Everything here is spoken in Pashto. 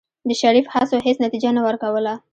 د شريف هڅو هېڅ نتيجه نه ورکوله.